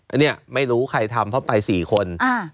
อันนี้ไม่รู้ใครทำเพราะไป๔คน